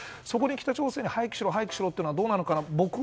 そこに北朝鮮に核を廃棄しろというのはどうなのかなと。